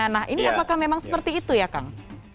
nah ini apakah memang seperti itu ya kang